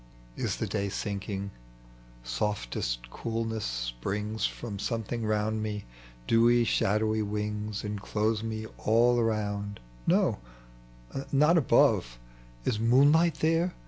" Is the day sinking? Softest coolness springs From something round me : dewy shadowy wings Enclose me all ai onnd — no, not above — Is moonlight there